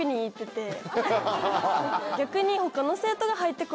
逆に。